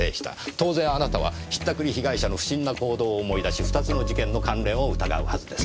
当然あなたは引ったくり被害者の不審な行動を思い出し２つの事件の関連を疑うはずです。